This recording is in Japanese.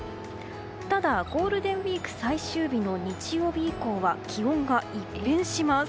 ただ、ゴールデンウィーク最終日の日曜日以降は気温が一変します。